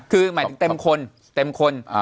คือหมายถึงเต็มคนเต็มคน